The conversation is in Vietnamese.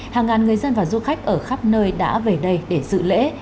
hàng ngàn người dân và du khách ở khắp nơi đã về đây để dự lễ